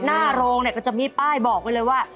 หน้าโรงเนี่ยก็จะมีป้ายบอกไว้เลยว่า